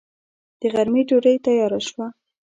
د غرمې ډوډۍ تياره شوه.